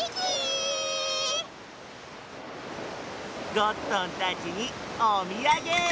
ゴットンたちにおみやげ！